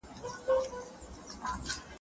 د سولې پر مهال پرمختګ څنګه و؟